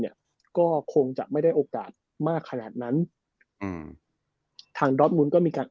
เนี่ยก็คงจะไม่ได้โอกาสมากขนาดนั้นอืมทางดอสมุนก็มีการ